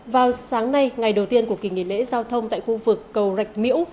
vào sáng nay ngày đầu tiên của kỳ nghỉ lễ giao thông tại khu vực cầu rạch miễu